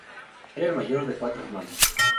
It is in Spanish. Era el mayor de cuatro hermanos.